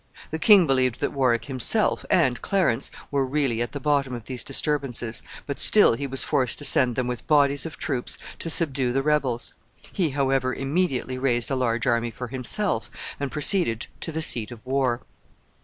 The king believed that Warwick himself, and Clarence, were really at the bottom of these disturbances, but still he was forced to send them with bodies of troops to subdue the rebels; he, however, immediately raised a large army for himself, and proceeded to the seat of war.